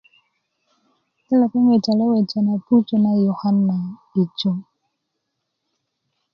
ti lepeŋ wejale weja na pujö na yukan na'bijo